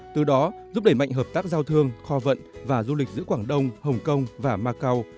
từ đó giúp đẩy mạnh hợp tác giao thương kho vận và du lịch giữa quảng đông hồng kông và macau